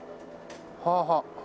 はい。